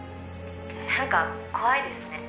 「何か怖いですね」